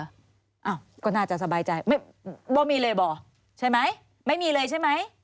อ้าวก็น่าจะสบายใจว่ามีเลยบอกใช่ไหมไม่มีเลยใช่ไหม